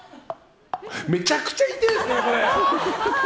めちゃくちゃ痛いですね、これ。